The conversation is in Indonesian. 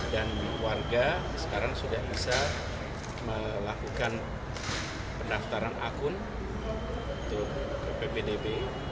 dan warga sekarang sudah bisa melakukan pendaftaran akun ke ppdb